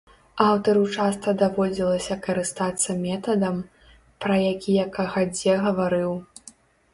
Аўтару часта даводзілася карыстацца метадам, пра які я кагадзе гаварыў.